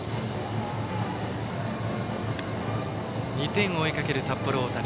２点を追いかける札幌大谷。